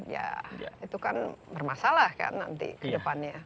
ya itu kan bermasalah kan nanti ke depannya